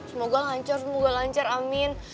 semoga lancar semoga lancar amin